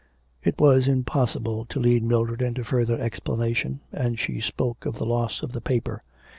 It was impossible to lead Mildred into further explanation, and she spoke of the loss of the paper.